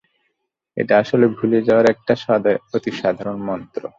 এটা আসলে ভুলে যাওয়ার একটা অতি সাধারণ মন্ত্র।